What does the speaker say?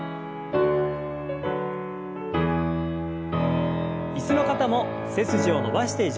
椅子の方も背筋を伸ばして上体を前に倒します。